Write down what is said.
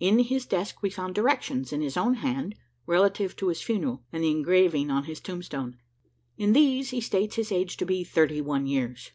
In his desk we found directions, in his own hand, relative to his funeral, and the engraving on his tombstone. In these, he states his age to be thirty one years.